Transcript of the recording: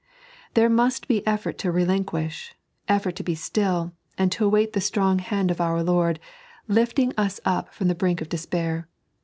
There must be effort to relinquish — effort to be still, and to await the strong hand of our Lord, lifting us up from the brink of despair.